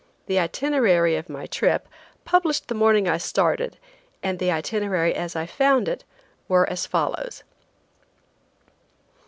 The itinerary of my trip, published the morning I started, and the itinerary as I found it, were as follows: Nov.